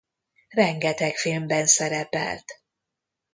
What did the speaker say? Rengeteg filmben szerepelt.